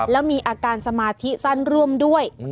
แล้วมีอาการสมาธิสั้นร่วมด้วย